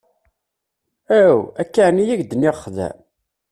Aw! Akk-a ɛni ay ak-d-nniɣ xdem?